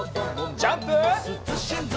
ジャンプ！